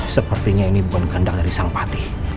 sepertinya ini bukan kandang dari sang patih